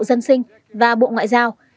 dân sinh và bộ ngoại giao